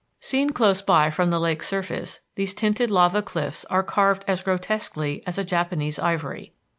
Seen close by from the lake's surface these tinted lava cliffs are carved as grotesquely as a Japanese ivory.